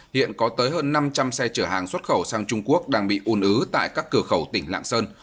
hiện có tới hơn năm trăm linh xe chở hàng xuất khẩu sang trung quốc đang bị ùn ứ tại các cửa khẩu tỉnh lạng sơn